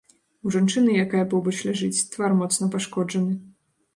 У жанчыны, якая побач ляжыць, твар моцна пашкоджаны.